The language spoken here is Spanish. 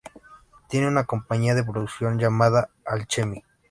Tiene una compañía de producción llamada "Alchemy".